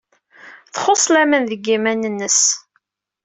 Txuṣṣ laman deg yiman-nnes.